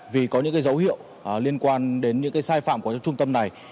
vì có những dấu hiệu liên quan đến những sai phạm của trung tâm này